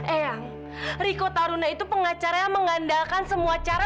eang riko taruna itu pengacara yang mengandalkan semua cara